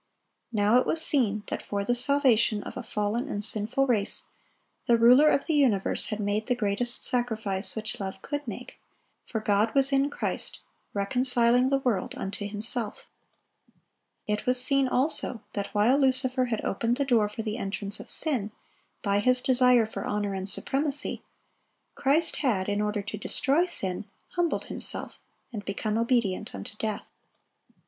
Now it was seen that for the salvation of a fallen and sinful race, the Ruler of the universe had made the greatest sacrifice which love could make; for "God was in Christ, reconciling the world unto Himself."(886) It was seen, also, that while Lucifer had opened the door for the entrance of sin, by his desire for honor and supremacy, Christ had, in order to destroy sin, humbled Himself, and become obedient unto death.